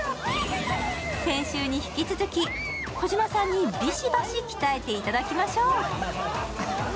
先週に引き続き、児嶋さんにビシバシ鍛えていただきましょう。